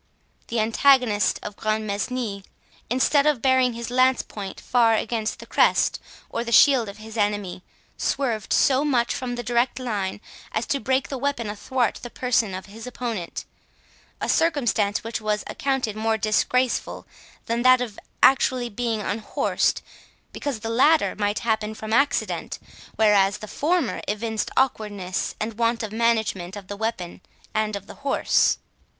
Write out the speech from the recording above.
The antagonist of Grantmesnil, instead of bearing his lance point fair against the crest or the shield of his enemy, swerved so much from the direct line as to break the weapon athwart the person of his opponent—a circumstance which was accounted more disgraceful than that of being actually unhorsed; because the latter might happen from accident, whereas the former evinced awkwardness and want of management of the weapon and of the horse.